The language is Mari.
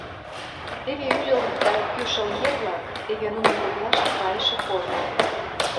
Теве Ӱлыл да Кӱшыл ер-влак, теве нунын коклаште кайыше корно.